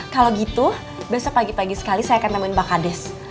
kalau gitu besok pagi pagi sekali saya akan nemuin pak kades